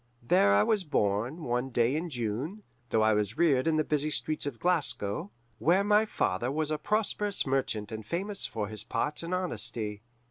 There I was born one day in June, though I was reared in the busy streets of Glasgow, where my father was a prosperous merchant and famous for his parts and honesty.